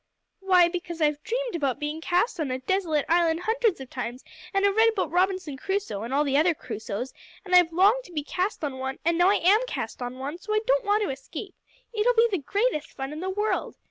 "Why, because I've dreamed about being cast on a desolate island hundreds of times, and I've read about Robinson Crusoe, and all the other Crusoes, and I've longed to be cast on one, and now I am cast on one, so I don't want to escape. It'll be the greatest fun in the world.